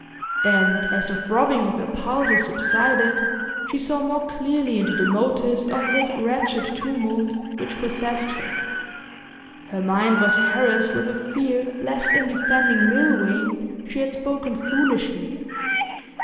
And as the throbbing of her pulses subsided, she saw more clearly into the motives of this wretched tumult which possessed her. Her mind was harassed with a fear lest in defending Milvain she had spoken foolishly.